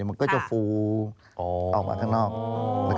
มันก็จะฟูออกมาข้างนอก